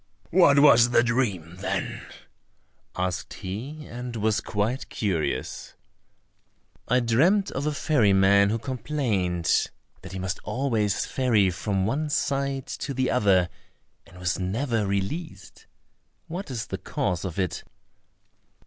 "What was the dream, then?" asked he, and was quite curious. "I dreamt of a ferry man who complained that he must always ferry from one side to the other, and was never released. What is the cause of it?"